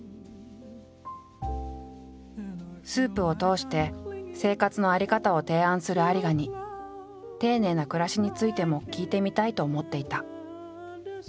スープを通して生活のあり方を提案する有賀に丁寧な暮らしについても聞いてみたいと思っていた。